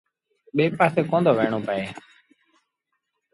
ٻي پآسي ڪونا دو وهيڻو پئي۔